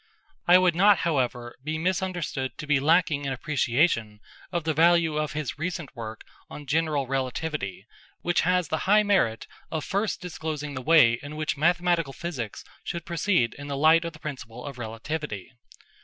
I would not however be misunderstood to be lacking in appreciation of the value of his recent work on general relativity which has the high merit of first disclosing the way in which mathematical physics should proceed in the light of the principle of relativity.